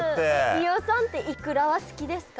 飯尾さんってイクラは好きですか？